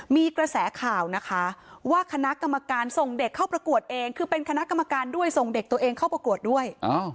มีกระแสข่าวนะคะว่าคณะกรรมการส่งเด็กเข้าประกวดเองคือเป็นคณะกรรมการด้วยส่งเด็กตัวเองเข้าประกวดด้วย